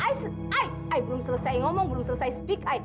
i i i belum selesai ngomong belum selesai speak i